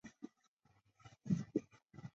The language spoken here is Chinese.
伊达政宗三男。